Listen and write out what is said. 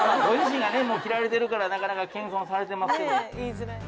ご自身がねもう着られてるからなかなか謙遜されてますけど。